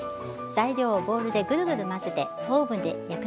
材料をボウルでグルグル混ぜてオーブンで焼くだけ。